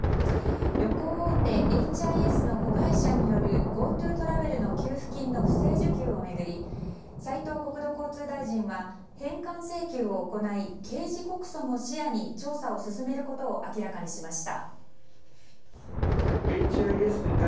旅行大手ＨＩＳの子会社によるＧｏＴｏトラベルの給付金の不正受給を巡り斉藤国土交通大臣は返還請求を行い刑事告訴も視野に調査を進めることを明らかにしました。